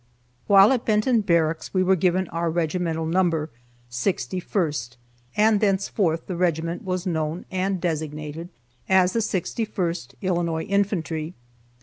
While at Benton Barracks we were given our regimental number, Sixty first and thenceforth the regiment was known and designated as the Sixty first Illinois Infantry.